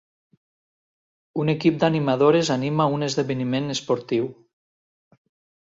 un equip d'animadores anima un esdeveniment esportiu.